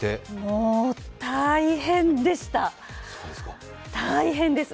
もう、大変でした、大変です。